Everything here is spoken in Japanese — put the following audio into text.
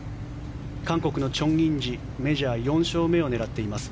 韓国のチョン・インジメジャー４勝目を狙っています。